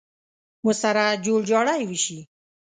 ورسره جوړ جاړی وشي.